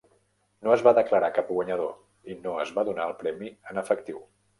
No es va declarar cap guanyador, i no es va donar el premi en efectiu.